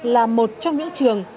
là một trong những trường